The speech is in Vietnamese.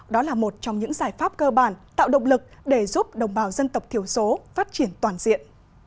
đó là một trong những giải pháp cơ bản tạo động lực để giúp đồng bào dân tộc thiểu số phát triển toàn diện